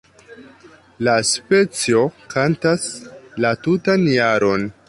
La specio kantas la tutan jaron.